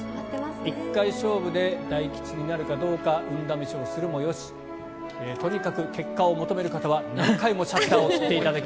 １回勝負で大吉になるかどうか運試しをするもよしとにかく結果を求める方は何回もシャッターを切っていただき。